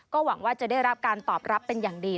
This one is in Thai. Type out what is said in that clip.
หวังว่าจะได้รับการตอบรับเป็นอย่างดี